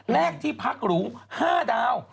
เลขที่พักหรู๕ดาว